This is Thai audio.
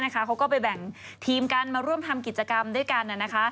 เขาก็ไปแบ่งทีมกันมาร่วมทำกิจกรรมด้วยกัน